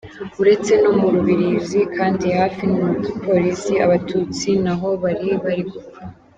Uretse no mu rubirizi kandi, hafi aho mu giporoso abatutsi naho bari bari gupfa.